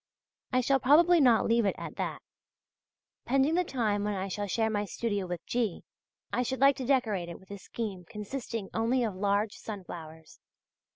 I shall probably not leave it at that. Pending the time when I shall share my studio with G., I should like to decorate it with a scheme consisting only of large sunflowers.